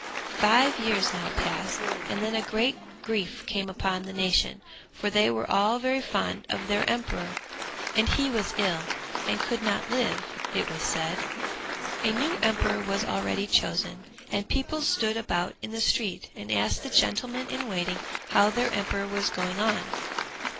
Five years now passed, and then a great grief came upon the nation, for they were all very fond of their emperor, and he was ill and could not live, it was said. A new emperor was already chosen, and people stood about in the street, and asked the gentleman in waiting how their emperor was going on.